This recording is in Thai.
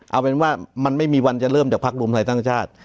เอาเป็นว่ามันไม่มีวันจะเริ่มจากพักรวมไทยสร้างชาติ